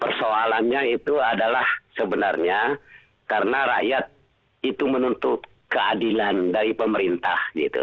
persoalannya itu adalah sebenarnya karena rakyat itu menuntut keadilan dari pemerintah